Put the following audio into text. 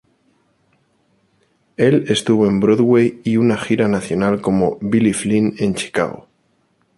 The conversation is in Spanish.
El estuvo en Broadway y una gira nacional como Billy Flynn en "Chicago".